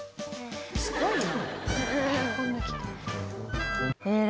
すごいな。